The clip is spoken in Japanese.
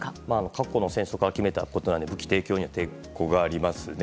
過去の戦争から決めたことなので武器提供には提供がありますね。